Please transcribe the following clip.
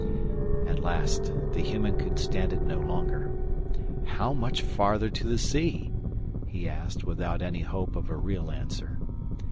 At last the human could stand it no longer. "How much farther to the sea?" he asked without any hope of a real answer.